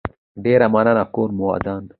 ډيره مننه کور مو ودان